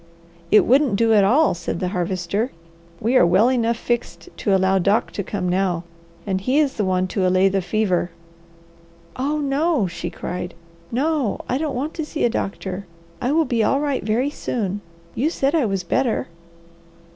"It wouldn't do at all," said the Harvester. "We are well enough fixed to allow Doc to come now, and he is the one to allay the fever." "Oh no!" she cried. "No! I don't want to see a doctor. I will be all right very soon. You said I was better."